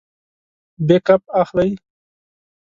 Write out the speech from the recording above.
بیک اپ اخلئ؟